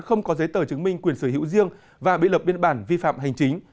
không có giấy tờ chứng minh quyền sở hữu riêng và bị lập biên bản vi phạm hành chính